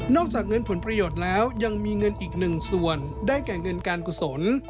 จากเงินผลประโยชน์แล้วยังมีเงินอีกหนึ่งส่วนได้แก่เงินการกุศล